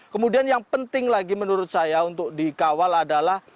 kemudian yang penting lagi menurut saya untuk dikawal adalah